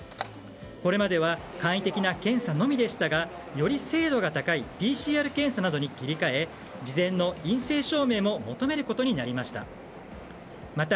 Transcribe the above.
これまでは簡易的な検査のみでしたがより精度が高いＰＣＲ検査などに切り替え事前の陰性証明も求めることになりました。